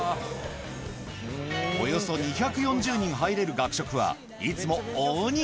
およそ２４０人入れる学食はいつも大にぎわい